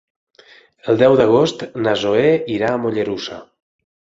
El deu d'agost na Zoè irà a Mollerussa.